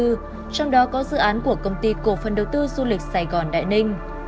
trong đó có dự án của công ty cổ phần đầu tư du lịch sài gòn đại ninh